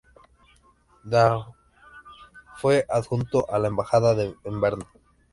De a fue adjunto a la embajada en Berna.